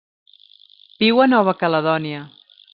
Viu a Nova Caledònia.